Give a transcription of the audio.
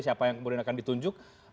siapa yang kemudian akan ditunjuk